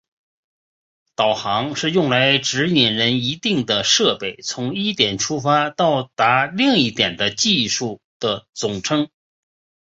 导航是用来指引人一定的设备从一点出发到达另一点的技术的总称。